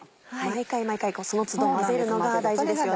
その都度混ぜるのが大事ですよね。